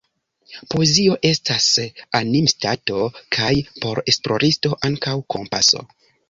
Poezio estas animstato – kaj, por esploristo, ankaŭ kompaso.